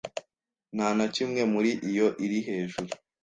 Nta na kimwe muri iyo iri hejuru